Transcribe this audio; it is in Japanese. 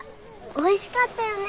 おいしかったよね。